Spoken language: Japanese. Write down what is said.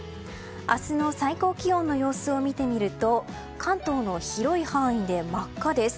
明日の最高気温の様子を見てみると関東の広い範囲で真っ赤です。